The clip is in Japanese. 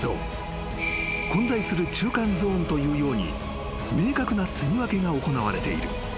［混在する中間ゾーンというように明確なすみ分けが行われている］